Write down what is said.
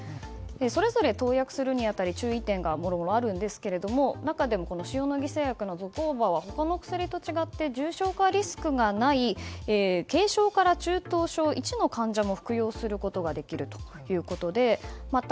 それぞれ投薬するに当たり注意点があるんですが中でもシオノギ製薬のゾコーバは他の薬と違って重症化リスクがない軽症から中等症１の患者も服用できるということでまた